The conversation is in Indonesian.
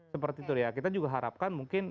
seperti itu ya kita juga harapkan mungkin